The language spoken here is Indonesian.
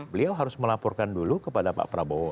beliau harus melaporkan dulu kepada pak prabowo